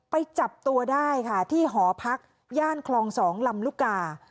ไปจับตัวได้ค่ะที่หอพักย่านคลอง๒ลำลูกกา